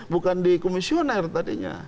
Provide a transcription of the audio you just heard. bukan di komisioner tadinya